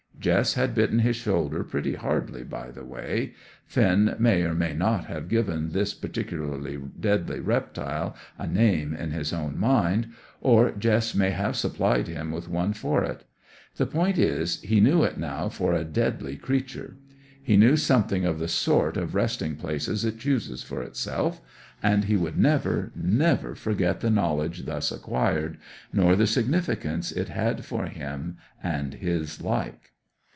Jess had bitten his shoulder pretty hardly, by the way. Finn may or may not have given this particularly deadly reptile a name in his own mind; or Jess may have supplied him with one for it. The point is, he knew it now for a deadly creature; he knew something of the sort of resting places it chooses for itself; and he would never, never forget the knowledge thus acquired, nor the significance it had for him and his like.